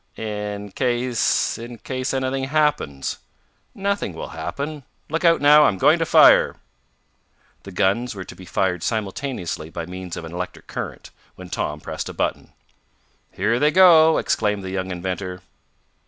"In case in case anything happens." "Nothing will happen. Look out now, I'm going to fire." The guns were to be fired simultaneously by means of an electric current, when Tom pressed a button. "Here they go!" exclaimed the young inventor.